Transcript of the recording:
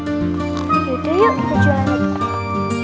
aduh yuk kita jualin